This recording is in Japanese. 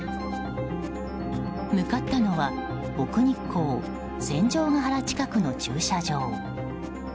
向かったのは奥日光、戦場ヶ原近くの駐車場。